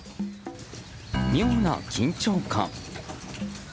妙な緊張感。